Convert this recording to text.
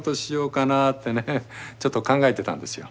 ってねちょっと考えてたんですよ。